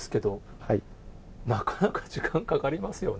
なかなか時間かかりますよね。